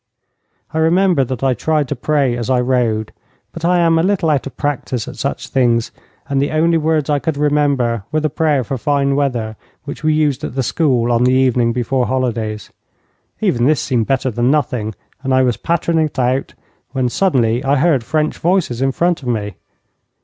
I remember that I tried to pray as I rode, but I am a little out of practice at such things, and the only words I could remember were the prayer for fine weather which we used at the school on the evening before holidays. Even this seemed better than nothing, and I was pattering it out, when suddenly I heard French voices in front of me.